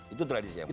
itu tradisi yang baik